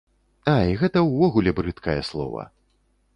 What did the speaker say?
Ай, гэта ўвогуле брыдкае слова.